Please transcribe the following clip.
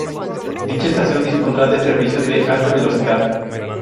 Dicha estación dispondrá de servicios de alta velocidad.